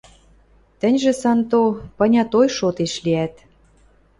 Тӹньжӹ, Санто, понятой шотеш лиӓт.